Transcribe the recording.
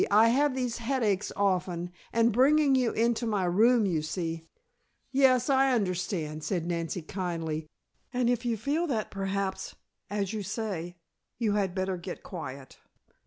I have these headaches often, and bringing you into my room, you see " "Yes, I understand," said Nancy kindly. "And if you feel that perhaps, as you say, you had better get quiet.